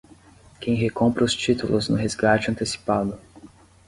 Quem recompra os títulos no resgate antecipado